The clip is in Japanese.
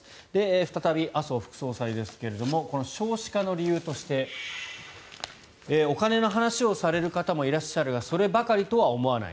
再び麻生副総裁ですがこの少子化の理由としてお金の話をされる方もいらっしゃるがそればかりとは思わない。